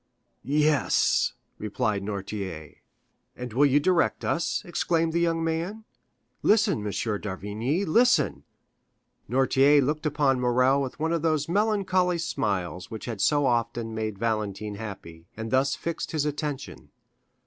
"Yes," replied Noirtier. "And will you direct us?" exclaimed the young man. "Listen, M. d'Avrigny, listen!" Noirtier looked upon Morrel with one of those melancholy smiles which had so often made Valentine happy, and thus fixed his attention.